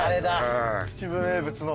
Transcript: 秩父名物の。